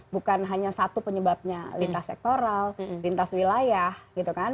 bukan hanya satu penyebabnya lintas sektoral lintas wilayah gitu kan